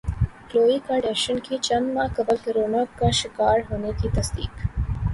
کلوئے Kardashian کی چند ماہ قبل کورونا کا شکار ہونے کی تصدیق